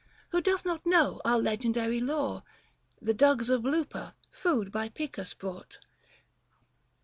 Who doth not know our legendary lore ? The dugs of Lupa, food by Picus brought.